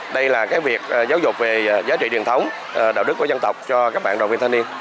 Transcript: đây là việc giáo dục về giá trị truyền thống đạo đức của dân tộc cho các bạn đoàn viên thanh niên